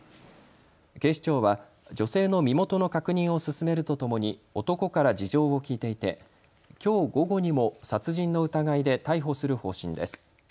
警視庁は女性の身元の確認を進めるとともに男から事情を聴いていて、きょう午後にも殺人の疑いで逮捕する方針です。